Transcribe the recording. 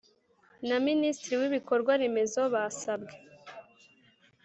Na minisitiri w ibikorwa remezo basabwe